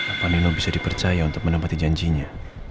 apa nino bisa dipercaya untuk menepati janjinya